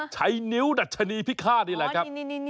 ใช้นิ้วดัชนีพิฆาตนี่แหละครับ